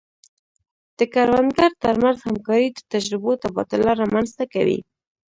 د کروندګرو ترمنځ همکاري د تجربو تبادله رامنځته کوي.